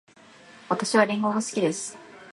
私はりんごが好きです。